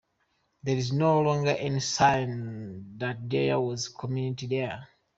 There is no longer any sign that there was a community there.